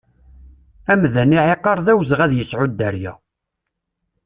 Amdan iɛiqer d awezɣi ad yesɛu dderya.